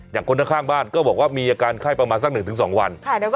คนข้างบ้านก็บอกว่ามีอาการไข้ประมาณสัก๑๒วัน